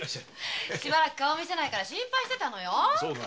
顔見せないから心配してたのよ。